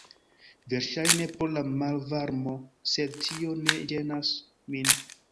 Verŝajne pro la malvarmo, sed tio ne ĝenas min.